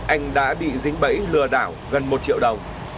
anh đã bị dính bẫy lừa đảo gần một triệu đồng